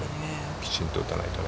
きちんと打たないとね。